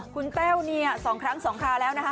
คุณแต้วเนี่ย๒ครั้ง๒คราแล้วนะคะ